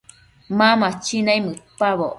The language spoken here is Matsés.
Ma machi naimëdpaboc